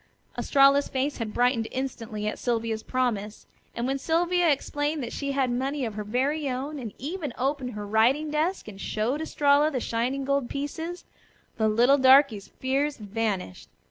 Estralla's face had brightened instantly at Sylvia's promise. And when Sylvia explained that she had money of her very own, and even opened her writing desk and showed Estralla the shining gold pieces, the little darky's fears vanished.